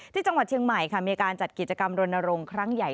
ที่จังหวัดเฉยวไหมมีการจัดกิจกรรมโรงนโลงครั้งใหญ่